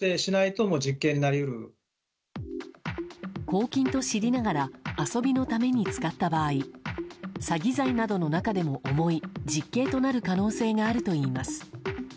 公金と知りながら遊びのために使った場合詐欺罪などの中でも重い実刑となる可能性があるといいます。